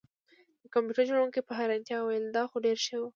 د کمپیوټر جوړونکي په حیرانتیا وویل دا خو ډیر ښه شو